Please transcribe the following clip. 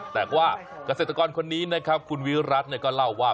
แต่ว่าเกษตรกรคนนี้นะครับคุณวิรัติก็เล่าว่า